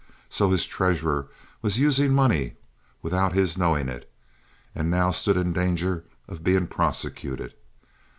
So his treasurer was using money without his knowing it, and now stood in danger of being prosecuted!